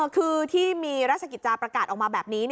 คือที่มีราชกิจจาประกาศออกมาแบบนี้